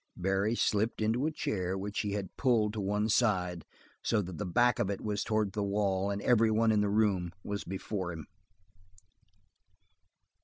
Barry slipped into a chair which he had pulled to one side so that the back of it was towards the wall, and every one in the room was before him.